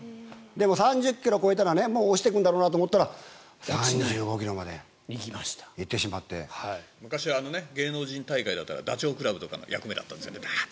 でも３０ｋｍを超えたらもう落ちてくんだろうなと思ったら、３５ｋｍまで昔、芸能人大会だとダチョウ倶楽部とかの役目だったんだよね。